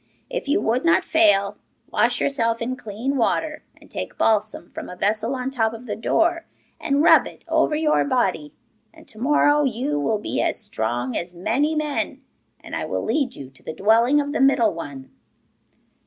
If you would not fail, wash yourself in clean water, and take balsam from a vessel on top of the door, and rub it over your body, and to morrow you will be as strong as many men, and I will lead you to the dwelling of the middle one.